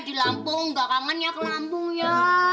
di lampung nggak kangen ya ke lampung ya